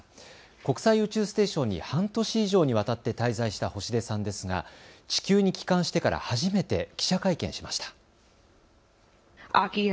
国際宇宙ステーションに半年以上にわたって滞在した星出さんですが地球に帰還してから初めて記者会見しました。